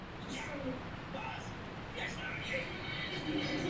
Po šesti dnech v kómatu zemřel.